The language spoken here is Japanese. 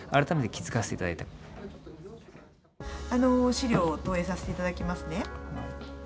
資料を投影させていただきますね。